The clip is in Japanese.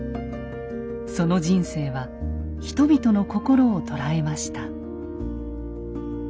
その人生は人々の心を捉えました。